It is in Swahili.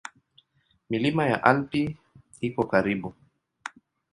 Milima ya Alpi iko karibu.